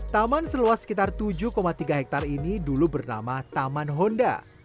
taman seluas sekitar tujuh tiga hektare ini dulu bernama taman honda